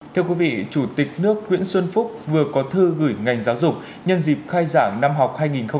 thưa quý vị chủ tịch nước nguyễn xuân phúc vừa có thư gửi ngành giáo dục nhân dịp khai giảng năm học hai nghìn hai mươi hai nghìn hai mươi